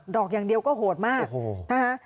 ดอกอย่างเดียวก็โหดมากโอ้โหนะฮะ